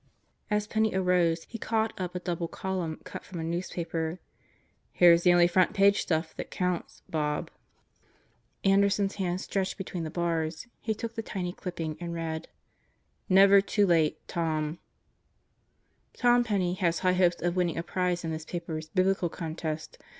As Penney arose he caught up a double column cut from a newspaper. "Here's the only front page stuff that counts, Bob." 152 God Goes to Murderer's Row Anderson's hand stretched between the bars. He took the tiny clipping and read: NEVER Too LATE, TOM Tom Penney has high hopes of winning a prize in this paper's Biblical Contest.